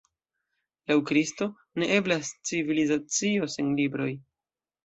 Laŭ Kristo, ne eblas civilizacio sen libroj.